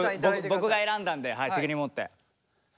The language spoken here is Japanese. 僕が選んだんで責任持って。